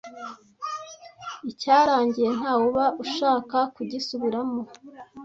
icyarangiye ntawe uba ushaka kugisubiramo